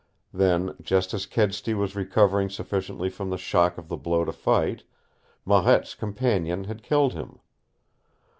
Then, just as Kedsty was recovering sufficiently from the shock of the blow to fight, Marette's companion had killed him.